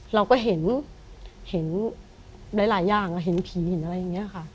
เราก็เห็นหลายอย่างเห็นผีเห็นอะไรอย่างนี้ค่ะ